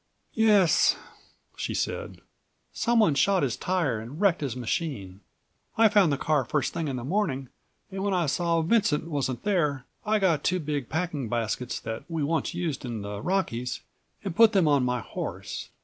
"Yes," she said, "someone shot his tire and wrecked his machine. I found the car, first thing in the morning, and when I saw Vincent168 wasn't there I got two big packing baskets that we once used in the Rockies and put them on my horse.